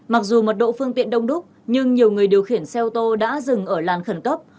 mặc dù mật độ phương tiện đông đúc nhưng nhiều người điều khiển xe ô tô đã dừng ở làn khẩn cấp